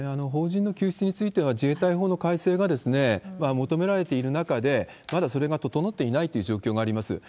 邦人の救出については、自衛隊法の改正が求められてる中で、まだそれが整っていないという状況があります。